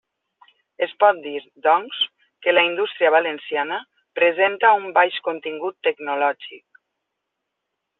Es pot dir, doncs, que la indústria valenciana presenta un baix contingut tecnològic.